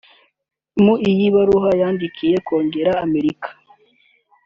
Mu ibaruwa yandikiye kongere y’Amerika